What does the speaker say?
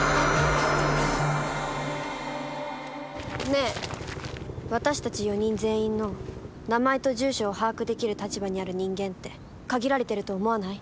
ねえ私たち４人全員の名前と住所を把握できる立場にある人間って限られてると思わない？